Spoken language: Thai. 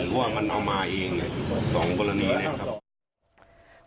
หรือว่ามันเอามาเองสองคนละนี้นะครับ